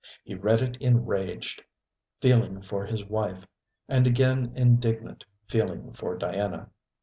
He read it enraged, feeling for his wife; and again indignant, feeling for Diana.